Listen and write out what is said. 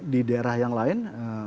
di daerah yang lain